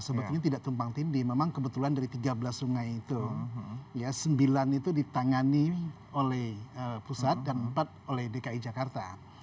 sebetulnya tidak tumpang tindih memang kebetulan dari tiga belas sungai itu ya sembilan itu ditangani oleh pusat dan empat oleh dki jakarta